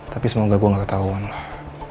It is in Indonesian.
tapi semoga gue gak ketahuan lah